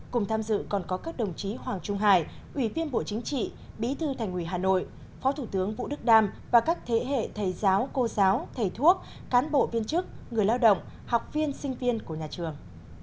cùng tham dự còn có các đồng chí hoàng trung hải ủy viên bộ chính trị bí thư thành ủy hà nội phó thủ tướng vũ đức đam và các thế hệ thầy giáo cô giáo thầy thuốc cán bộ viên chức người lao động học viên sinh viên của nhà trường